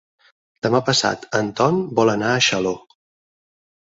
Demà passat en Ton vol anar a Xaló.